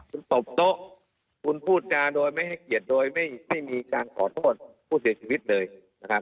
คุณตบโต๊ะคุณพูดจาโดยไม่ให้เกียรติโดยไม่มีการขอโทษผู้เสียชีวิตเลยนะครับ